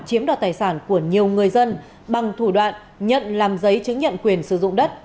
chiếm đoạt tài sản của nhiều người dân bằng thủ đoạn nhận làm giấy chứng nhận quyền sử dụng đất